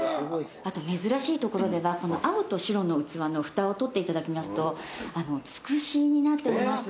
あと珍しいところではこの青と白の器のふたを取っていただきますとつくしになっております。